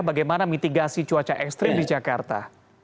bagaimana mitigasi cuaca ekstrim di jakarta